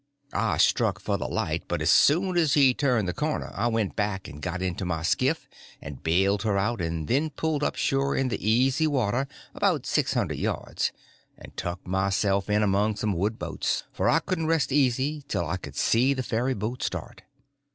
I struck for the light, but as soon as he turned the corner I went back and got into my skiff and bailed her out, and then pulled up shore in the easy water about six hundred yards, and tucked myself in among some woodboats; for I couldn't rest easy till I could see the ferryboat start.